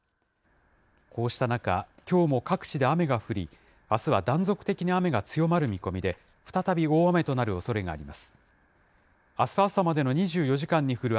こうした中、きょうも各地で雨が降り、あすは断続的に雨が強まる見込みで、再び大雨となるおそれがあります。